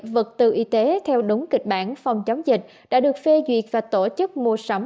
vật tư y tế theo đúng kịch bản phòng chống dịch đã được phê duyệt và tổ chức mua sắm